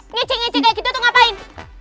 ngecek ngecek kayak gitu tuh ngapain